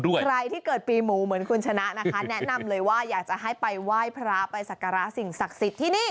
จังหวัดเชียงรายที่เกิดปีหมูเหมือนคุณชนะนะคะแนะนำเลยว่าอยากจะให้ไปไหว้พระอภัยศักราชสิ่งศักดิ์สิทธิ์ที่นี่